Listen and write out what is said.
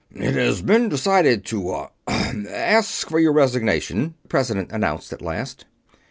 "It has been decided to ... uh ... ask for your resignation," the President announced at last.